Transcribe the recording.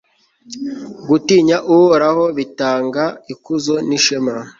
gutinya uhoraho bitanga ikuzo n'ishema